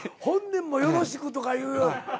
本年もよろしくとかいう。